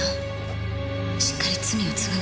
しっかり罪を償って